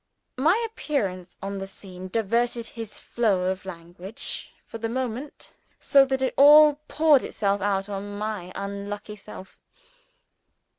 My appearance on the scene diverted his flow of language, for the moment, so that it all poured itself out on my unlucky self.